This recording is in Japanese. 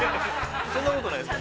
◆そんなことないですよ。